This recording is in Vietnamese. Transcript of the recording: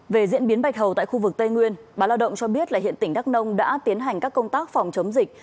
về diễn biến bạch hầu tại khu vực tây nguyên báo lao động cho biết là hiện tỉnh đắk nông đã tiến hành các công tác phòng chống dịch